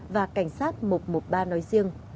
và cảnh sát một trăm một mươi ba nói riêng